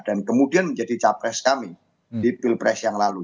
dan kemudian menjadi capres kami di pilpres yang lalu